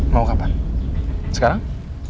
mau kapan sekarang